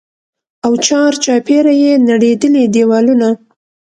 او چارچاپېره يې نړېدلي دېوالونه.